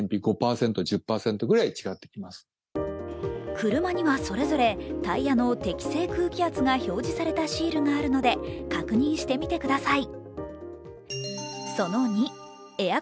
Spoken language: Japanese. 車にはそれぞれタイヤの適正空気圧が表示されたシールがあるので確認してみてください。